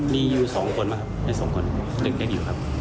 มีอยู่สองคนบ้างครับไม่สองคนเด็กอยู่ครับ